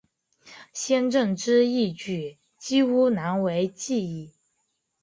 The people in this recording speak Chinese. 先正之义举几乎难为继矣。